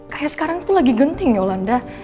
kayak sekarang itu lagi genting yolanda